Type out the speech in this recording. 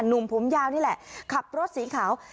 หนุ่มผมยาวนี่แหละขับรถสีขาว